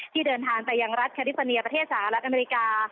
เดินทางไปยังรัฐแคลิฟอร์เนียประเทศสหรัฐอเมริกา